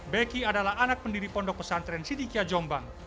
beki adalah anak pendiri pondok pesantren sidikia jombang